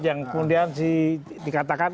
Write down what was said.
yang kemudian dikatakan